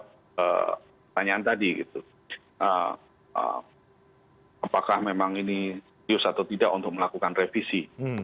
pertanyaan tadi gitu apakah memang ini serius atau tidak untuk melakukan revisi